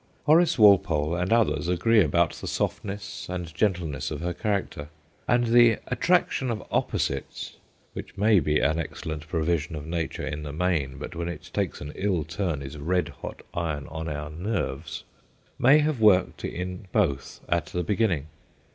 Horace Walpole and others agree about the softness and gentleness of her character, and the attraction of opposites which may be an excellent provision of Nature in the main, but when it takes an ill turn is red hot iron on our nerves may have worked in both at the beginning.